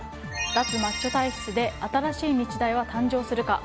脱マッチョ体質で新しい日大は誕生するか。